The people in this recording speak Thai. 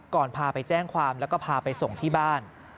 พาไปแจ้งความแล้วก็พาไปส่งที่บ้าน